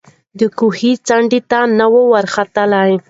د کوهي څنډي ته نه وو راختلی